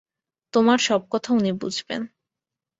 তোমার সব কথা উনি বুঝবেন।